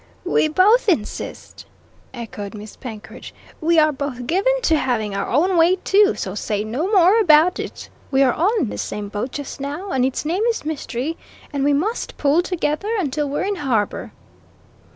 "We both insist!" echoed Miss Penkridge. "We are both given to having our own way, too; so say no more about it. We are all in the same boat just now, and its name is Mystery, and we must pull together until we're in harbour."